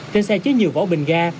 trên xe chứa nhiều vỏ bình ga